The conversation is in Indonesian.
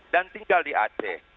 dan tinggal di aceh